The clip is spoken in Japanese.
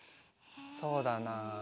そうだな。